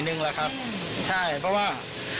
เป็นการหลายต่อไปครับ